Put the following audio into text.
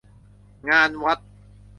งานวัด